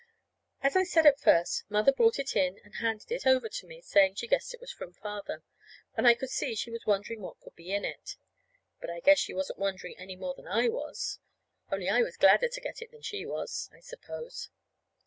As I said at first, Mother brought it in and handed it over to me, saying she guessed it was from Father. And I could see she was wondering what could be in it. But I guess she wasn't wondering any more than I was, only I was gladder to get it than she was, I suppose.